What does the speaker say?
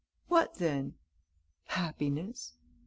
"What then?" "Happiness."